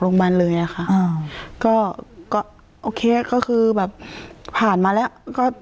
โรงพยาบาลเลยอะค่ะอ่าก็ก็โอเคก็คือแบบผ่านมาแล้วก็